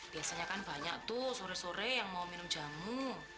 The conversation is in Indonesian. biasanya kan banyak tuh sore sore yang mau minum jamu